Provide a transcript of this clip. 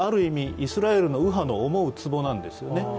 イスラエルの右派の思うつぼなんですよね。